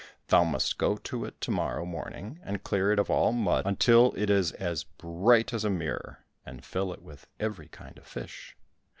"Thou must go to it to morrow morning and clear it of all mud until it is as bright as a mirror, and fill it with every kind of fish."